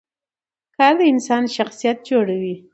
کار د انسان شخصیت جوړوي